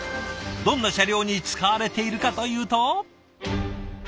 どんな車両に使われているかというと。